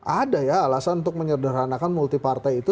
ada ya alasan untuk menyederhanakan multi partai itu